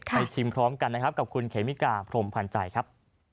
ชิมพร้อมกันนะครับกับคุณเขมิกาพรมพันธ์ใจครับ